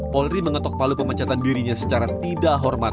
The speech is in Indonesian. polri mengetok palu pemecatan dirinya secara tidak hormat